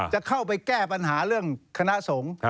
จะเข้าไปแก้ปัญหาเรื่องคณะสงฆ์